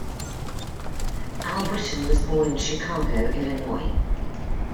Albritton was born in Chicago, Illinois.